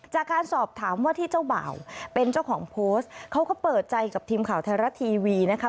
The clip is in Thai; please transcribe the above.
จากการสอบถามว่าที่เจ้าบ่าวเป็นเจ้าของโพสต์เขาก็เปิดใจกับทีมข่าวไทยรัฐทีวีนะคะ